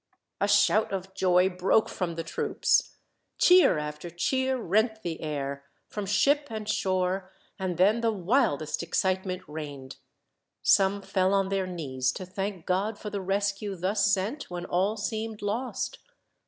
A shout of joy broke from the troops. Cheer after cheer rent the air, from ship and shore, and then the wildest excitement reigned. Some fell on their knees, to thank God for the rescue thus sent when all seemed lost.